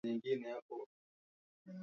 Ana ji choma shindano mu finyango